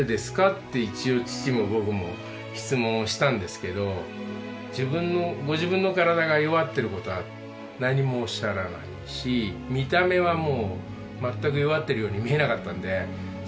って一応父も僕も質問したんですがご自分の体が弱ってることは何もおっしゃらないし見た目はもうまったく弱ってるように見えなかったんで。